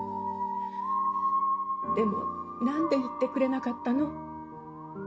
でも何で言ってくれなかったの？